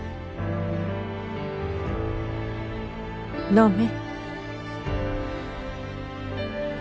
飲め。